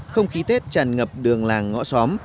không khí tết tràn ngập đường làng ngõ xóm